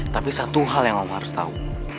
tapi satu hal yang om harus tau